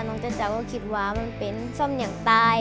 น้องเจ้าเจ้าก็คิดว่ามันเป็นซ่อมอย่างตาย